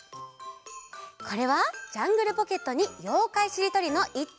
これは「ジャングルポケット」に「ようかいしりとり」のいったんもめんだよ！